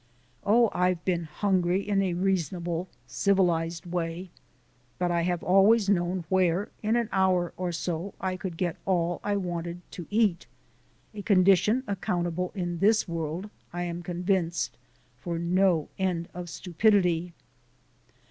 Oh, I've been hungry in a reasonable, civilized way, but I have always known where in an hour or so I could get all I wanted to eat a condition accountable, in this world, I am convinced, for no end of stupidity.